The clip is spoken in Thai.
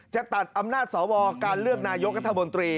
จะตัดอำนาจสวการเลือกนายกัธมนตรี